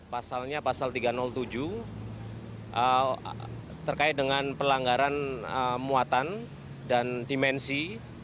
pasalnya pasal tiga ratus tujuh terkait dengan pelanggaran muatan dan dimensi